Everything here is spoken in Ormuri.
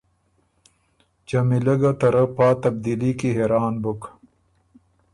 جمیلۀ ګه ته رۀ پا تبدیلي کی حېران بُک